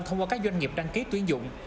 thông qua các doanh nghiệp đăng ký tuyến dụng